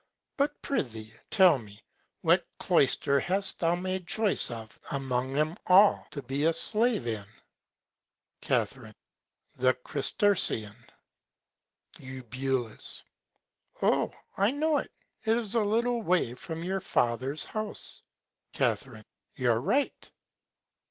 But, prithee, tell me, what Cloyster hast thou made Choice of among 'em all, to be a Slave in? Ca. The Chrysertian. Eu. Oh! I know it, it is a little Way from your Father's House. Ca. You're right.